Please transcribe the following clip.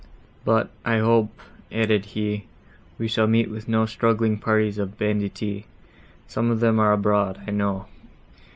"But, I hope," added he, "we shall meet with no straggling parties of banditti; some of them are abroad, I know.